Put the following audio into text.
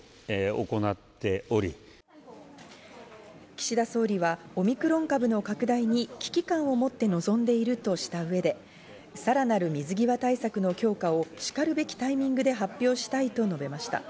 岸田総理はオミクロン株の拡大に危機感を持って臨んでいるとした上でさらなる水際対策の強化をしかるべきタイミングで発表したいと述べました。